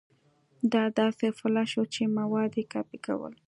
دا داسې فلش و چې مواد يې کاپي کول.